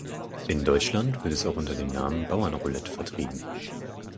In Deutschland wird es auch unter dem Namen "Bauernroulette" vertrieben.